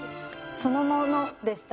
そのものでした。